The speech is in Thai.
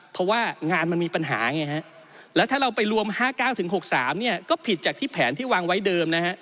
เพราะว่างานมันมีปัญหาไงฮะแล้วถ้าเราไปรวม๕๙๖๓เนี่ยก็ผิดจากที่แผนที่วางไว้เดิมนะฮะ